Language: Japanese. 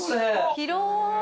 広い。